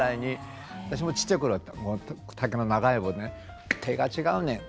私もちっちゃい頃は竹の長い棒でね「手が違うねん！